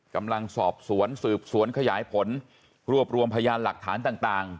กำลังสอบสวนสืบสวนขยายผลรวบรวมพยานหลักฐานต่าง